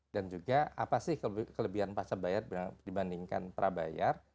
dan juga apa sih kelebihan pasca bayar dibandingkan prabayar